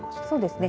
そうですね。